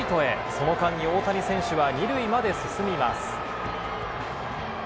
その間に大谷選手は２塁まで進みます。